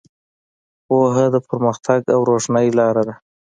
پوهه د پرمختګ او روښنایۍ لاره ده.